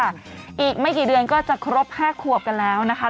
อีกไม่กี่เดือนก็จะครบ๕ขวบกันแล้วนะคะ